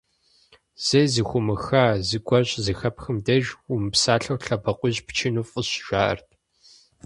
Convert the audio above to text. Зэи зэхыумыха зыгуэр щызэхэпхым деж, умыпсалъэу лъэбакъуищ пчыну фӀыщ, жаӀэрт.